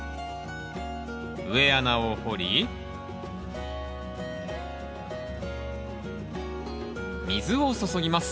植え穴を掘り水を注ぎます。